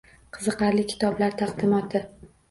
Qiziqarli kitoblar taqdimoti